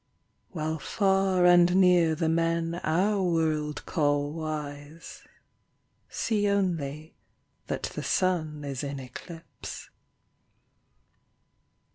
While far and near the men our world call wise See only that the Sun is in eclipse.